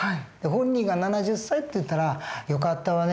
本人が「７０歳」って言ったら「よかったわね。